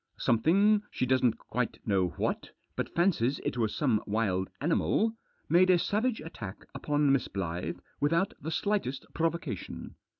Something, she doesn't quite know what, but fancies it was some wild animal, made a savage attack upon Miss Blyth without the slightest provoca tion.